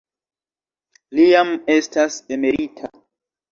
Li jam estas emerita.